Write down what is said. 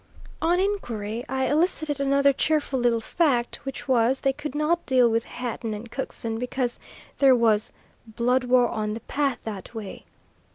On inquiry I elicited another cheerful little fact which was they could not deal with Hatton and Cookson because there was "blood war on the path that way."